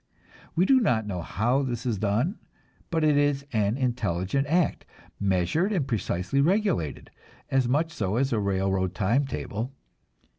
We do not know how this is done, but it is an intelligent act, measured and precisely regulated, as much so as a railroad time table.